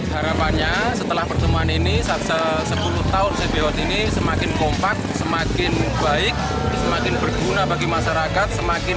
harapannya setelah pertemuan ini sepuluh tahun cpo ini semakin kompak semakin baik semakin berguna bagi masyarakat semakin